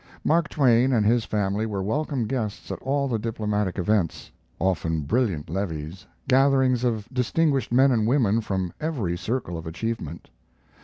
Mark Twain and his family were welcome guests at all the diplomatic events often brilliant levees, gatherings of distinguished men and women from every circle of achievement.